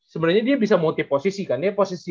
sebenarnya dia bisa multi posisi kan dia posisi